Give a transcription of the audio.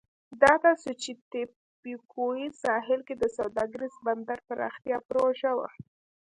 دا د سوچیتپیکویز ساحل کې د سوداګریز بندر پراختیا پروژه وه.